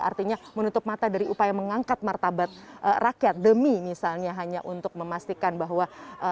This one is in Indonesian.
artinya menutup mata dari upaya mengangkat martabat rakyat demi misalnya hanya untuk memastikan bahwa